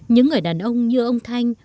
những người đàn ông như ông thanh